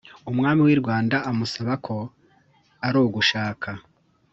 umwami wirwanda amusaba ko arugushaka